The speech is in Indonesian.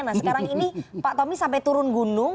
nah sekarang ini pak tommy sampai turun gunung